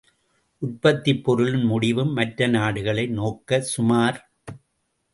உற்பத்திப் பொருளின் முடிவும் மற்ற நாடுகளை நோக்க சுமார்!